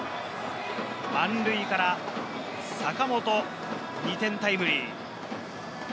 満塁から坂本２点タイムリー。